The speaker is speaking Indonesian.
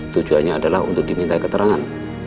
tujuannya adalah untuk diminta keterangan